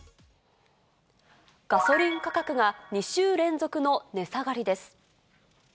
ガソリン価格が２週連続の値下がりです。